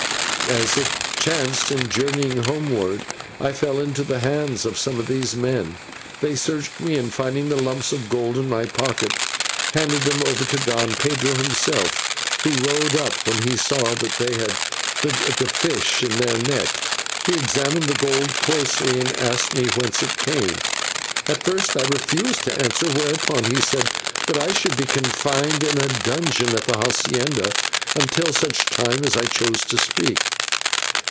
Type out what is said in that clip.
"As it chanced, in journeying homewards, I fell into the hands of some of these men. They searched me, and, finding the lumps of gold in my pocket, handed them over to Don Pedro himself, who rode up when he saw that they had the fish in their net. He examined the gold closely, and asked me whence it came. At first I refused to answer, whereupon he said that I should be confined in a dungeon at the /hacienda/ until such time as I chose to speak.